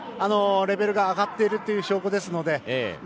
レベルが上がっているという証拠ですので。